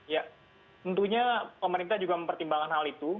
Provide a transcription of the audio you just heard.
ya tentunya pemerintah juga mempertimbangkan hal itu